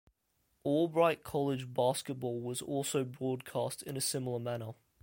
Albright College basketball was also broadcast in a similar manner.